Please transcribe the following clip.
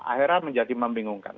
akhirnya menjadi membingungkan